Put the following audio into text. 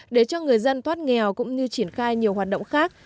để cho người dân thoát nghèo cũng như triển khai nhiều hoạt động khác